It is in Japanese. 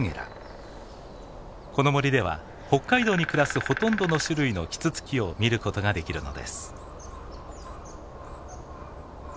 この森では北海道に暮らすほとんどの種類のキツツキを見ることができるのです。